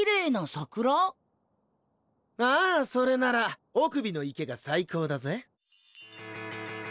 ああそれなら尾首の池が最高だぜ。